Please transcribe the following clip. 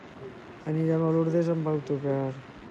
Anirem a Lurdes amb autocar.